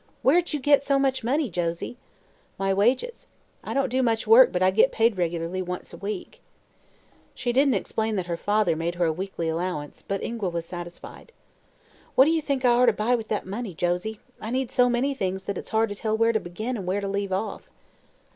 "Where'd ye get so much money, Josie?" "My wages. I don't do much work, but I get paid regularly once a week." She didn't explain that her father made her a weekly allowance, but Ingua was satisfied. "What do you think I orter buy with that money, Josie? I need so many things that it's hard to tell where to begin and where to leave off."